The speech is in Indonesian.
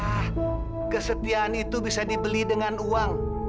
ah kesetiaan itu bisa dibeli dengan uang